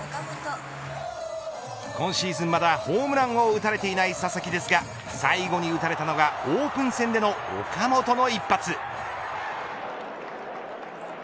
今シーズン、まだホームランを打たれていない佐々木ですが最後に打たれたのがオープン戦での岡本の一発。